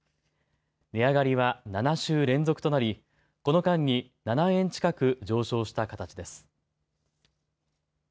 値上がりは７週連続となりこの間に７円近く上昇した形です。